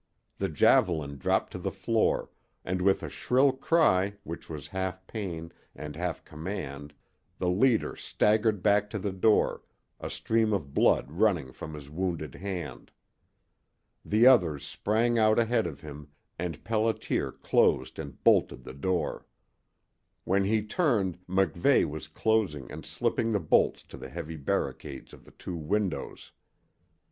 The javelin dropped to the floor, and with a shrill cry which was half pain and half command the leader staggered back to the door, a stream of blood running from his wounded hand. The others sprang out ahead of him, and Pelliter closed and bolted the door. When he turned MacVeigh was closing and slipping the bolts to the heavy barricades of the two windows.